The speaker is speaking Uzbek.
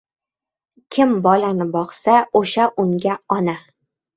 • Kim bolani boqsa, o‘sha unga ona.